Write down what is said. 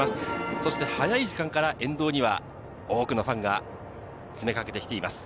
そして早い時間から沿道には多くのファンが詰めかけてきています。